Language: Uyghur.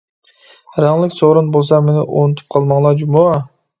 رەڭلىك سورۇن بولسا مېنى ئۇنتۇپ قالماڭلار جۇمۇ.